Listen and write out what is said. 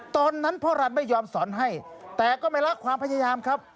ตอนนั้นพ่อรันไม่ยอมสอนให้แต่ก็ไม่ละความพยายามครับ